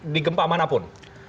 di gempa manapun